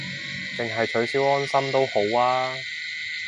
淨係取消安心都好吖